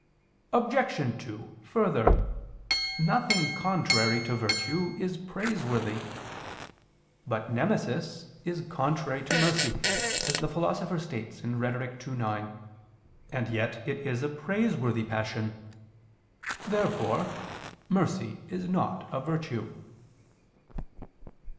Obj. 2: Further, nothing contrary to virtue is praiseworthy. But nemesis is contrary to mercy, as the Philosopher states (Rhet. ii, 9), and yet it is a praiseworthy passion (Rhet. ii, 9). Therefore mercy is not a virtue.